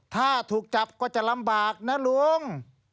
ถ้าถูกจับก็จะลำบากนะลุง